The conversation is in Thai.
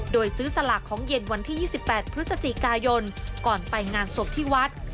โดยซื้อสลากของเย็นวันที่๒๘พฤศจิกายนก่อนไปงานศพที่วัด